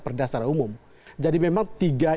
perdasar umum jadi memang tiga